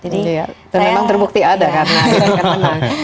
dan memang terbukti ada karena